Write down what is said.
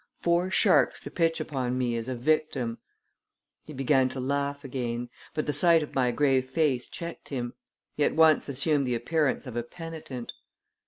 Four sharks to pitch upon me as a victim!" He began to laugh again, but the sight of my grave face checked him. He at once assumed the appearance of a penitent.